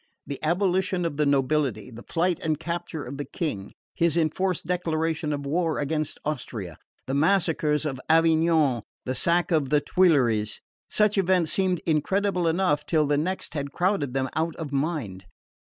The abolition of the nobility, the flight and capture of the King, his enforced declaration of war against Austria, the massacres of Avignon, the sack of the Tuileries such events seemed incredible enough till the next had crowded them out of mind.